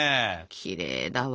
きれいだわ。